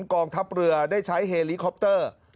กองทัพเรือได้ใช้เฮลิคอปเตอร์